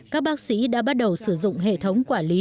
các bác sĩ đã bắt đầu sử dụng hệ thống quản lý